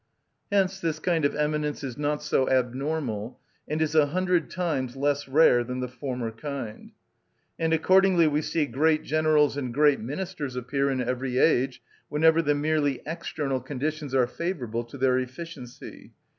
Hence this kind of eminence is not so abnormal, and is a hundred times less rare than the former kind; and accordingly we see great generals and great ministers appear in every age, whenever the merely external conditions are favourable to their efficiency.